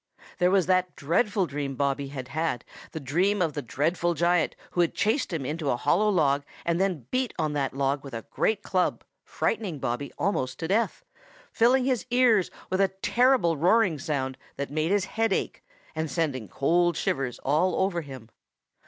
There was that dreadful dream Bobby had had, the dream of the dreadful giant who had chased him into a hollow log and then beat on that log with a great club, frightening Bobby almost to death, filling his ears with a terrible roaring sound that made his head ache, and sending cold shivers all over him.